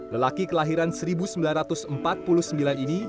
lelaki kelahiran seribu sembilan ratus empat puluh sembilan ini